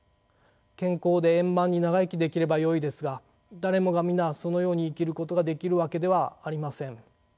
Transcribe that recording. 健康で円満に長生きできればよいですが誰もが皆そのように生きることができるわけではありません。